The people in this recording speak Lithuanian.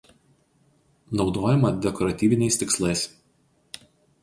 Naudojama dekoratyviniais tikslais.